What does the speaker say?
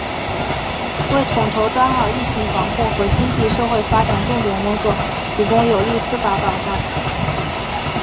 为统筹抓好疫情防控和经济社会发展重点工作提供有力司法保障